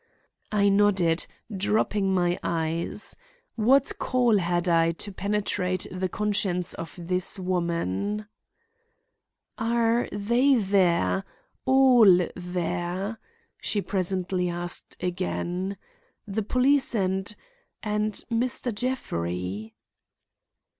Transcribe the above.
I nodded, dropping my eyes. What call had I to penetrate the conscience of this woman? "Are they there? all there?" she presently asked again. "The police and—and Mr. Jeffrey?"